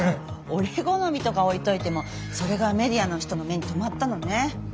「おれごのみ」とかおいといてもそれがメディアの人の目にとまったのね。